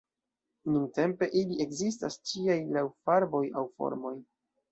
Nuntempe ili ekzistas ĉiaj laŭ farboj aŭ formoj.